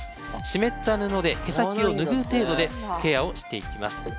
湿った布で毛先を拭う程度でケアをしていきます。